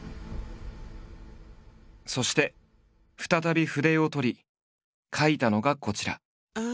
そして再び筆を執り描いたのがこちら。